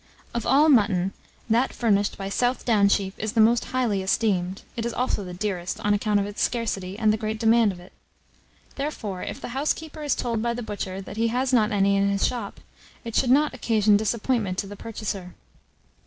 Of all mutton, that furnished by South Down sheep is the most highly esteemed; it is also the dearest, on account of its scarcity, and the great demand of it. Therefore, if the housekeeper is told by the butcher that he has not any in his shop, it should not occasion disappointment to the purchaser.